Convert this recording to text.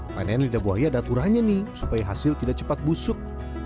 panen lidah buaya ada urahnya nih supaya hasil tidak cepat busuk